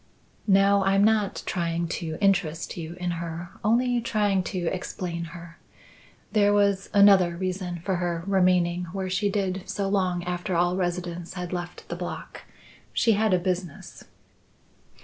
"No, I'm not trying to interest you in her, only trying to explain her. There was another reason for her remaining where she did so long after all residents had left the block. She had a business."